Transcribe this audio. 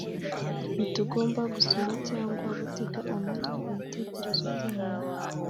Ntitugomba gusoma cyangwa gutega amatwi ibitekerezo byabo